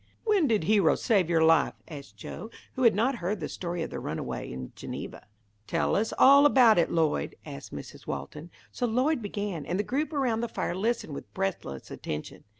"When did Hero save your life?" asked Joe, who had not heard the story of the runaway in Geneva. "Tell us all about it, Lloyd," asked Mrs. Walton. So Lloyd began, and the group around the fire listened with breathless attention.